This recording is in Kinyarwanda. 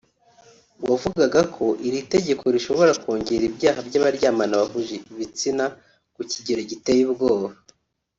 wavugaga ko iri tegeko rishobora kongera ibyaha by’abaryamana bahuje ibitsina ku kigero giteye ubwoba